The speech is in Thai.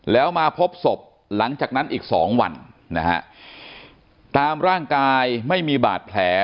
แล้วมาพบศพหลังจากนั้นอีกสองวันนะฮะตามร่างกายไม่มีบาดแผล